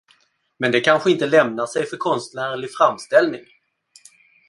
Men det kanske inte lämpar sig för konstnärlig framställning?